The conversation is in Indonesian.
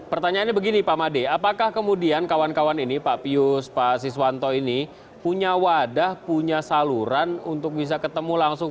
pertanyaannya begini pak made apakah kemudian kawan kawan ini pak pius pak siswanto ini punya wadah punya saluran untuk bisa ketemu langsung